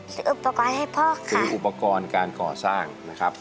อุปกรณ์ให้พ่อค่ะซื้ออุปกรณ์การก่อสร้างนะครับ